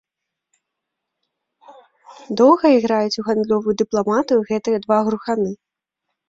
Доўга іграюць у гандлёвую дыпламатыю гэтыя два груганы.